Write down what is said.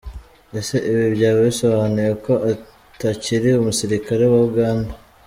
Ese ibi byaba bisobanuye ko atakiri umusirikare wa Uganda?